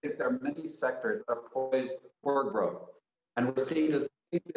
ada banyak sektor yang membutuhkan perkembangan dan kita melihat perbedaan